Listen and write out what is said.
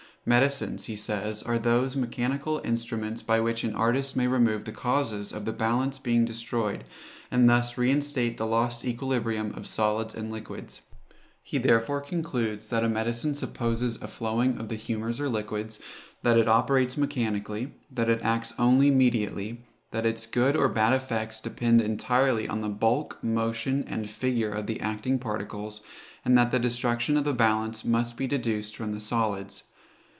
Medicines, he says, are those mechanical instruments by which an artist may remove the causes of the balance being destroyed, and thus re instate the lost equilibrium of solids and liquids. He therefore concludes, that a medicine supposes a flowing of the humours or liquids; that it operates mechanically; that it acts only mediately; that its good or bad effects depend entirely on the bulk, motion, and figure of the acting particles, and that the destruction of the balance must be deduced from the solids.